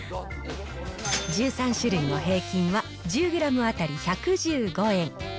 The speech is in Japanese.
１３種類の平均は、１０グラム当たり１１５円。